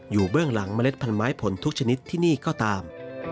เบื้องหลังเมล็ดพันธุ์ไม้ผลทุกชนิดที่นี่ก็ตาม